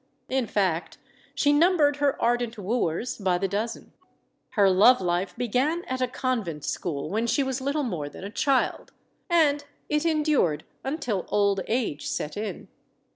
In fact, she numbered her ardent wooers by the dozen. Her love life began at a convent school when she was little more than a child, and it endured until old age set in.